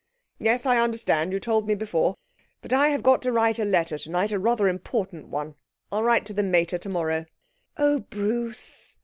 'Yes, I understand, you told me before; but I have got to write a letter tonight, a rather important one. I'll write to the mater tomorrow.' 'Oh, Bruce!'